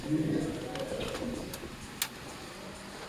Itakuwa ni aina gani hiyo ya maisha?